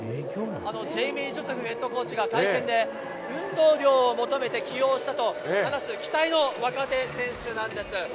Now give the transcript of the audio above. ジェイミー・ジョセフヘッドコーチがで運動量を求めて起用したと話す期待の若手選手なんです。